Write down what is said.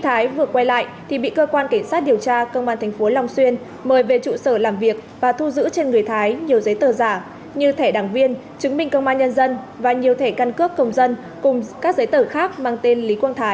thái vừa quay lại thì bị cơ quan cảnh sát điều tra công an tp long xuyên mời về trụ sở làm việc và thu giữ trên người thái nhiều giấy tờ giả như thẻ đảng viên chứng minh công an nhân dân và nhiều thẻ căn cước công dân cùng các giấy tờ khác mang tên lý quang thái